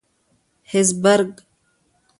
هېزبرګ.